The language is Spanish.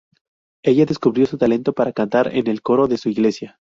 Ella descubrió su talento para cantar en el coro de su iglesia.